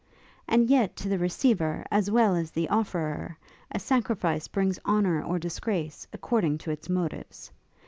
And yet, to the receiver, as well as to the offerer, a sacrifice brings honour or disgrace, according to its motives.